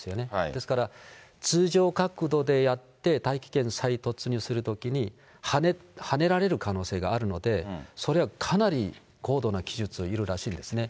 ですから通常角度でやって、大気圏再突入するときに、はねられる可能性があるので、それはかなり高度な技術いるらしいんですね。